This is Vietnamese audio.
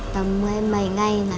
tầm mấy ngày